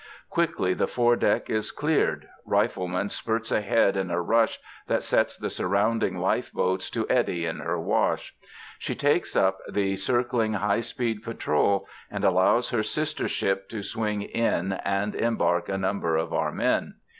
Quickly the foredeck is cleared. Rifleman spurts ahead in a rush that sets the surrounding life boats to eddy in her wash. She takes up the circling high speed patrol and allows her sister ship to swing in and embark a number of our men.